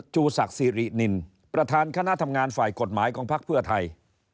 ชูศักดิ์สิรินินประธานคณะทำงานฝ่ายกฎหมายของภักดิ์เพื่อไทย